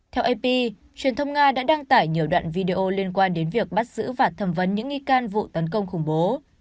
theo ap truyền thông nga đã đăng tải nhiều đoạn video liên quan đến việc bắt giữ và thẩm vấn những nghi can vụ tấn công khủng bố